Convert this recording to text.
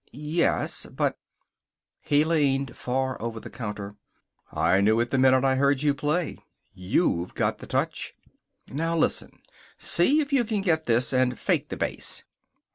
"Yes, but " He leaned far over the counter. "I knew it the minute I heard you play. You've got the touch. Now listen. See if you can get this, and fake the bass."